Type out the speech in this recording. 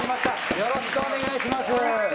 よろしくお願いします。